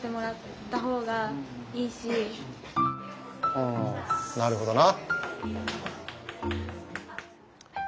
うんなるほどな。